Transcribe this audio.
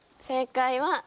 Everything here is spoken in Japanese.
正解は。